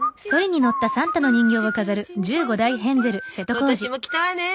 今年も来たわね。